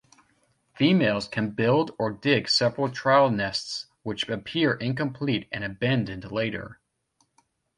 Females can build or dig several trial nests which appear incomplete and abandoned later.